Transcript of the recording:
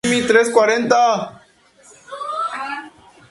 El barrio posee una parada de taxi en el Centro Comercial Alcampo-La Laguna.